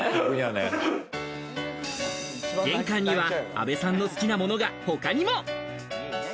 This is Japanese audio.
原価には阿部さんが好きなものが他にも。